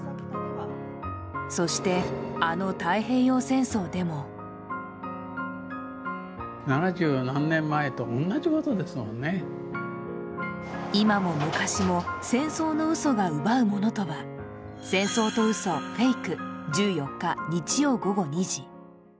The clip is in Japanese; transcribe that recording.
そして、あの太平洋戦争でも今も昔も戦争の嘘が奪うものとは「戦争と嘘＝フェイク」１４日日曜午後２時。